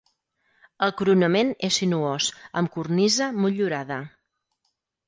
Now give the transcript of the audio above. El coronament és sinuós, amb cornisa motllurada.